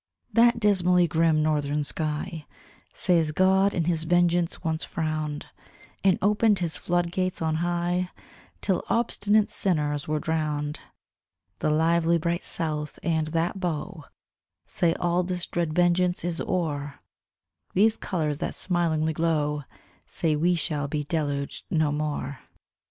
That dismally grim northern sky Says God in His vengeance once frowned, And opened His flood gates on high, Till obstinate sinners were drowned: The lively bright south, and that bow, Say all this dread vengeance is o'er; These colours that smilingly glow Say we shall be deluged no more.